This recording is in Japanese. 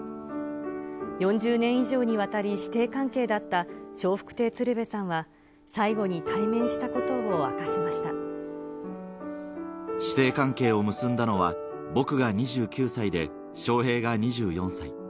４０年以上にわたり師弟関係だった笑福亭鶴瓶さんは、最期に対面師弟関係を結んだのは、僕が２９歳で、笑瓶が２４歳。